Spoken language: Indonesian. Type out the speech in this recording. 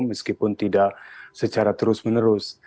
meskipun tidak secara terus menerus